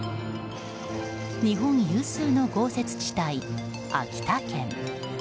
日本有数の豪雪地帯・秋田県。